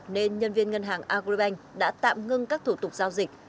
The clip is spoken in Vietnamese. nên nhân viên ngân hàng agribank đã tạm ngưng các thủ tục giao dịch